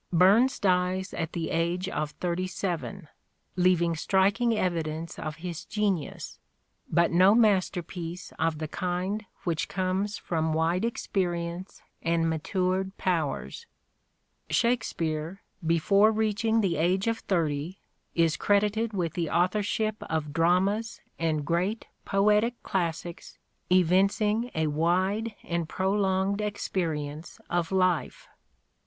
Burns dies at the age of thirty seven, leaving striking evidence 3 34 " SHAKESPEARE " IDENTIFIED of his genius, but no masterpiece of the kind which comes from wide experience and matured powers. Shakspere, before reaching the age of thirty, is credited with the authorship of dramas and great poetic classics evincing a wide and prolonged experience of life.